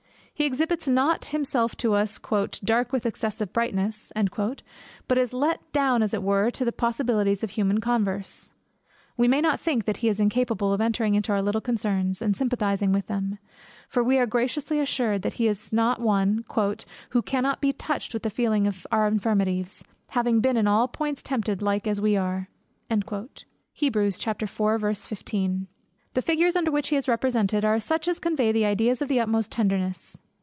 He exhibits not himself to us "dark with excessive brightness," but is let down as it were to the possibilities of human converse. We may not think that he is incapable of entering into our little concerns, and sympathizing with them; for we are graciously assured that he is not one "who cannot be touched with the feeling of our infirmities, having been in all points tempted like as we are." The figures under which he is represented, are such as convey ideas of the utmost tenderness.